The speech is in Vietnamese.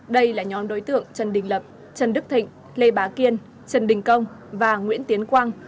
đây là nhóm đối tượng trần đình lập trần đức thịnh lê bá kiên trần đình công và nguyễn tiến quang